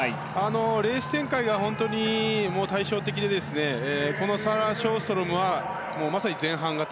レース展開が本当に対照的でサラ・ショーストロムはまさに前半型。